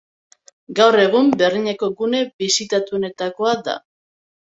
Gaur egun, Berlineko gune bisitatuenetakoa da.